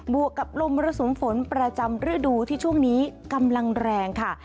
วกกับลมมรสุมฝนประจำฤดูที่ช่วงนี้กำลังแรงค่ะ